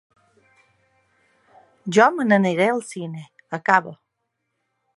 Jo me n’aniré al cine, acaba.